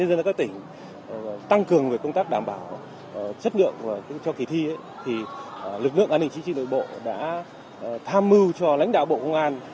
dân ở các tỉnh tăng cường về công tác đảm bảo chất lượng cho kỳ thi lực lượng an ninh chính trị nội bộ đã tham mưu cho lãnh đạo bộ công an